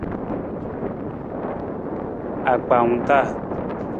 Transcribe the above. Akpaawung taa.